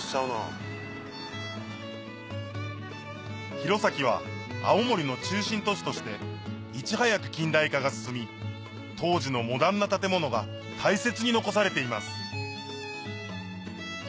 弘前は青森の中心都市としていち早く近代化が進み当時のモダンな建物が大切に残されています